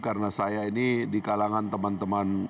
karena saya ini di kalangan teman teman